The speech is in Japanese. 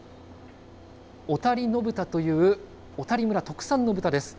小谷野豚という小谷村特産の豚です。